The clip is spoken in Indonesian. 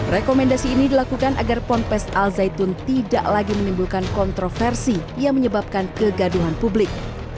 rekomendasi ini dilakukan agar ponpes al zaitun tidak lagi menimbulkan kontroversi yang menyebabkan kegaduhan publik